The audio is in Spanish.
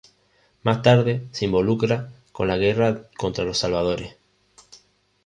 Más tarde, se involucra con la guerra contra Los Salvadores.